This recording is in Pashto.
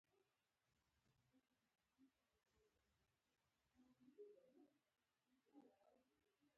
او د خپل سخر مېرمايي کره يې راوسته